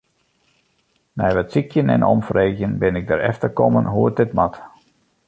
Nei wat sykjen en omfreegjen bin ik derefter kommen hoe't dit moat.